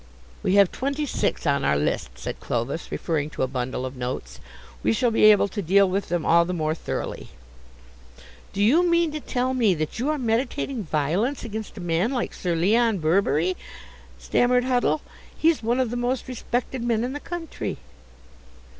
"We have twenty six on our list," said Clovis, referring to a bundle of notes. "We shall be able to deal with them all the more thoroughly." "Do you mean to tell me that you are meditating violence against a man like Sir Leon Birberry," stammered Huddle; "he's one of the most respected men in the country."